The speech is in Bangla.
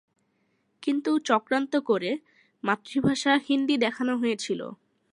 কিন্তু চক্রান্ত করে মাতৃভাষা হিন্দি দেখানো হয়েছিল।